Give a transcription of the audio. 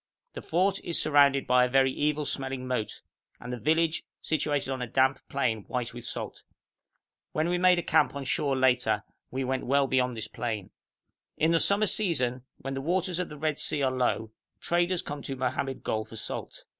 The fort is surrounded by a very evil smelling moat, and the village situated on a damp plain, white with salt. When we made a camp on shore later we went well beyond this plain. In the summer season, when the waters of the Red Sea are low, traders come to Mohammed Gol for salt.